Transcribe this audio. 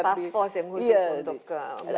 ada task force yang khusus untuk ke